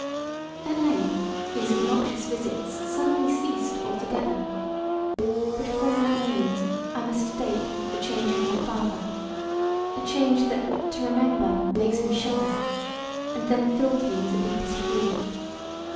At length these obnoxious visits suddenly ceased altogether, but from that moment I must date the change of my father: a change that to remember makes me shudder and then filled me with the deepest grief.